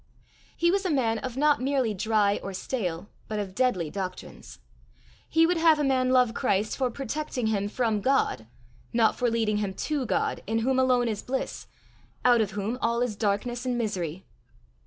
He was a man of not merely dry or stale, but of deadly doctrines. He would have a man love Christ for protecting him from God, not for leading him to God in whom alone is bliss, out of whom all is darkness and misery.